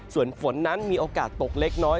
ส่วนฝนนั้นมีโอกาสตกเล็กน้อย